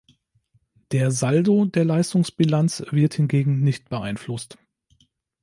Der Saldo der Leistungsbilanz wird hingegen nicht beeinflusst.